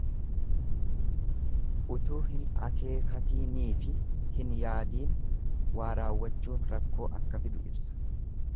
Utuu hin akeekatiiniifi hin yaadiin waa raawwachuun rakkoo akka fidu ibsa.